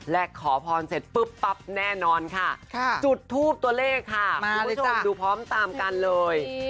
และขอพรเสร็จปุ๊บปั๊บแน่นอนค่ะจุดทูปตัวเลขค่ะดูพร้อมตามกันเลย